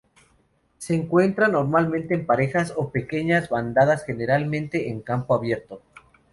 Se encuentran normalmente en parejas o pequeñas bandadas, generalmente en campo abierto.